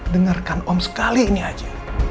dengarkan om sekali ini aja